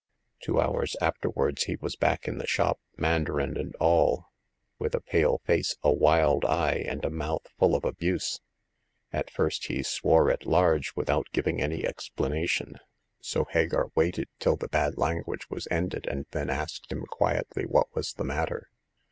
Two hours afterwards he was back in the shop, mandarin and all, with a pale face, a wild eye, and a mouth full of abuse. At first he swore at large without giving any explanation ; so Hagar waited till the bad language was ended, and then asked him quietly what was the matter.